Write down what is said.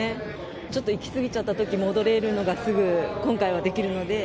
ちょっと行き過ぎちゃったとき、戻れるのがすぐ今回はできるので。